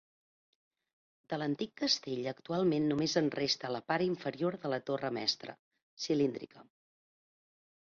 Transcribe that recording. De l'antic castell actualment només en resta la part inferior de la torre mestra, cilíndrica.